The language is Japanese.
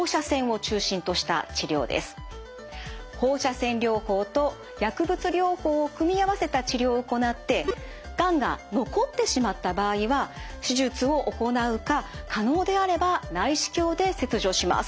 放射線療法と薬物療法を組み合わせた治療を行ってがんが残ってしまった場合は手術を行うか可能であれば内視鏡で切除します。